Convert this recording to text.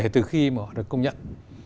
kể từ khi mà họ được công nhận